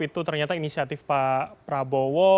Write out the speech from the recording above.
itu ternyata inisiatif pak prabowo